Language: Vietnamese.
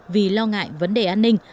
vì lo ngại vấn đề an ninh